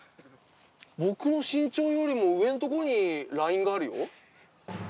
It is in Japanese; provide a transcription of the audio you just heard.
僕の身長よりも上の所にラインがあるよ。